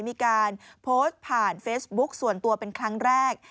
มีการโพสต์ผ่านเฟซบุ๊กส่วนตัวเป็นครั้งแรก